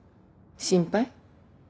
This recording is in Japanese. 心配？